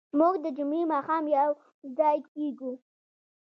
موږ د جمعې ماښام یوځای کېږو.